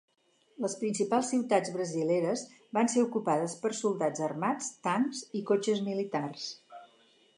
Les principals ciutats brasileres van ser ocupades per soldats armats, tancs i cotxes militars.